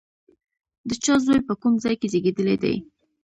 د چا زوی، په کوم ځای کې زېږېدلی دی؟